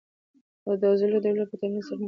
د عضلو ډول په تمرین سره نه بدلېږي.